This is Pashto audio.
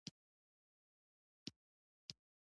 پوخ نغری د کلي خوشبويي وي